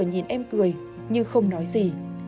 nhìn em cười như không nói gì